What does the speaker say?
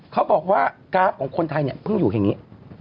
เขาบอกว่ากราฟของคนไทยเนี่ยเพิ่งอยู่อย่างนี้